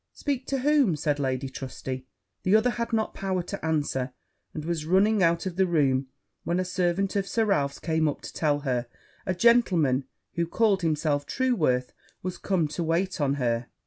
'Speak to whom?' said Lady Trusty. The other had not power to answer and was running out of the room, when a servant of Sir Ralph's came up to tell her a gentleman, who called himself Trueworth, was come to wait on her.